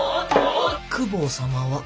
公方様は。